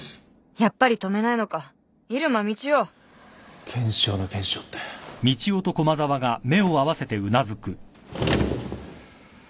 やっぱり止めないのか入間みちお検証の検証って。